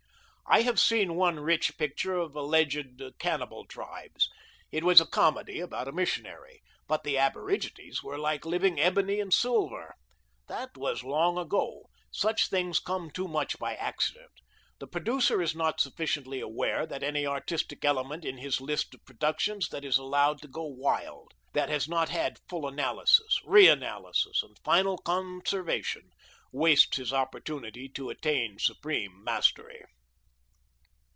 I have seen one rich picture of alleged cannibal tribes. It was a comedy about a missionary. But the aborigines were like living ebony and silver. That was long ago. Such things come too much by accident. The producer is not sufficiently aware that any artistic element in his list of productions that is allowed to go wild, that has not had full analysis, reanalysis, and final conservation, wastes his chance to attain supreme mastery.